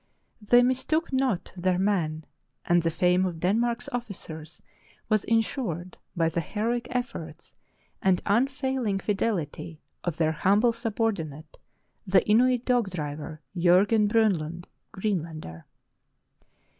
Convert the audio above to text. They mistook not their man, and the fame of Den mark's officers was insured by the heroic efforts and un failing fidelity of their humble subordinate, the Inuit dog driver, Jorgen Bronlund — Greenlander.